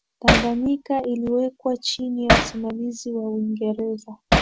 tanganyika iliwekwa chini ya usimamizi wa uingereza